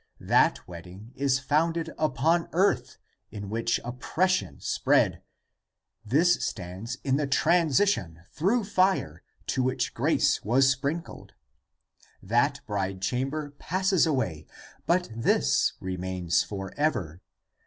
That wedding <is founded upon earth, in which oppression spread, this stands in the transition through fire, to which grace was sprinkled. > That bride chamber passes away, but this remains for ever.